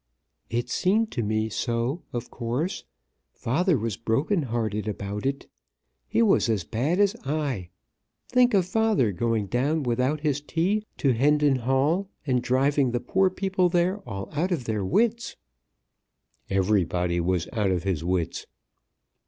"It seemed to me so, of course. Father was broken hearted about it. He was as bad as I. Think of father going down without his tea to Hendon Hall, and driving the poor people there all out of their wits." "Everybody was out of his wits."